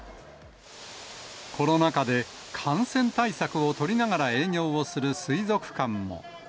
コロナ禍で、感染対策を取りながら営業をする水族館も。